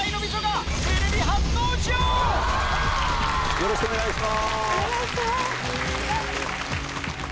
よろしくお願いします。